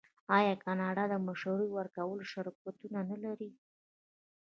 آیا کاناډا د مشورې ورکولو شرکتونه نلري؟